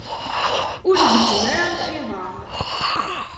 Ur gezzem ara lxiḍ-a.